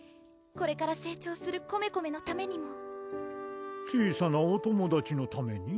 これから成長するコメコメのためにも小さなお友達のために？